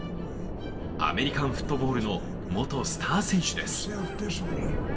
アメリカンフットボールの元スター選手です。